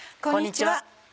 こんにちは。